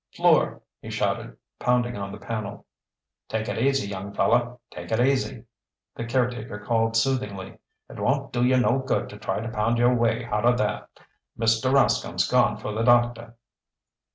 "Fleur!" he shouted, pounding on the panel. "Take it easy, young feller, take it easy," the caretaker called soothingly. "It won't do you no good to try to pound your way out o' there. Mr. Rascomb's gone for the doctor."